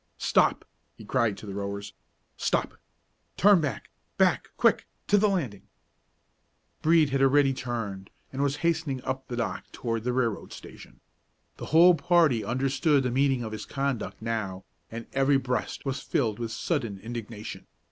"Stop!" he cried to the rowers; "stop! turn back back quick to the landing!" Brede had already turned, and was hastening up the dock toward the railroad station. The whole party understood the meaning of his conduct now, and every breast was filled with sudden indignation.